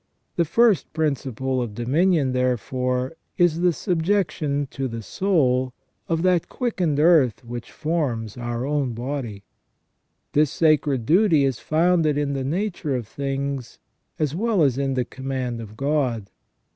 The first principle of dominion, therefore, is the subjection to the soul 70 THE SECONDARY IMAGE OF GOD IN MAN. of that quickened earth which forms our own body. This sacred duty is founded in the nature of things as well as in the command of God.